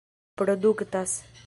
produktas